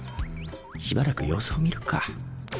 しばらく様子を見るか。